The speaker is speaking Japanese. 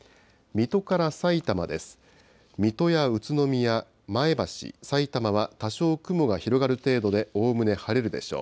水戸や宇都宮、前橋、さいたまは多少雲が広がる程度でおおむね晴れるでしょう。